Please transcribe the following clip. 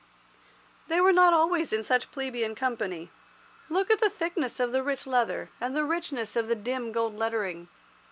They were not always in such plebeian company. Look at the thickness of the rich leather, and the richness of the dim gold lettering.